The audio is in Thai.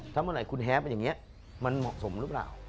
ถ้าเมื่อไหร่คุณแฮปเป็นอย่างนี้มันเหมาะสมหรือเปล่า